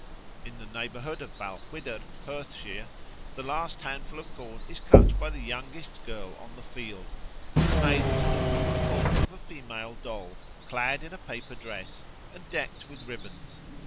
In the neighbourhood of Balquhidder, Perthshire, the last handful of corn is cut by the youngest girl on the field, and is made into the rude form of a female doll, clad in a paper dress, and decked with ribbons.